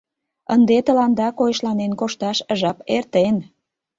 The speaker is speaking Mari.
Ынде тыланда койышланен кошташ жап эртен.